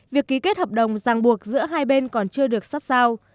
việc ký kết hợp đồng ràng buộc giữa hai bên còn chưa được sắp sao